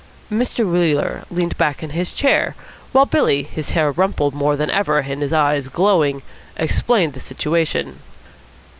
Mr. Wheeler leaned back in his chair, while Billy, his hair rumpled more than ever and his eyes glowing, explained the situation.